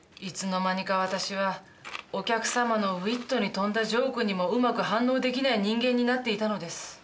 いつの間にか私はお客様のウイットに富んだジョークにもうまく反応できない人間になっていたのです。